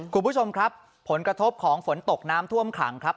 คุณผู้ชมครับผลกระทบของฝนตกน้ำท่วมขังครับ